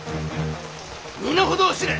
身の程を知れ！